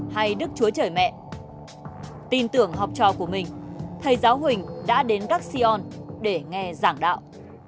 hay đức chúa trời mẹ tin tưởng học trò của mình thầy giáo huỳnh đã đến các seon để nghe giảng đạo